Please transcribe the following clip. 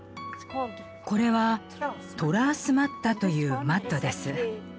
これは「トラースマッタ」というマットです。